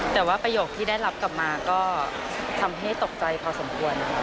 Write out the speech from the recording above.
แต่ว่าประโยคที่ได้รับกลับมาก็ทำให้ตกใจพอสมควร